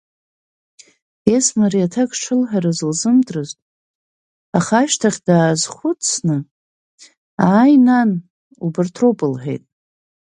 Есма ари аҭак шылҳәарыз лзымдырзт, аха ашьҭахьы даазхәыцны, ааи, нан, убарҭ роуп, — лҳәеит.